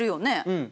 うん。